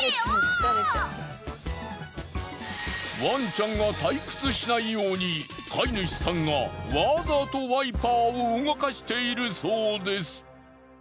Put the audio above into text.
ワンちゃんが退屈しないように飼い主さんがわざとワイパーを動かしているそうです。